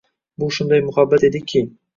Bu shunday muhabbat ediki.